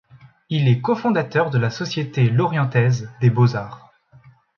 Il est cofondateur de la Société lorientaise des beaux-arts.